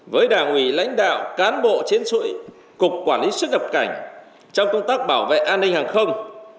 với đảng ủy lãnh đạo cán bộ chiến sĩ cục quản lý xuất nhập cảnh trong công tác bảo vệ an ninh hàng không